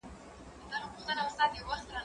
ميوې د زهشوم له خوا خوړل کيږي؟